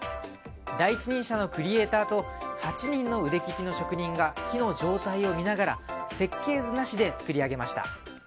第一人者のクリエーターと８人の腕利きの職人が木の状態を見ながら設計図なしで作り上げました。